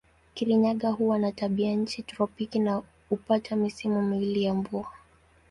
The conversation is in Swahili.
Kirinyaga huwa na tabianchi tropiki na hupata misimu miwili ya mvua.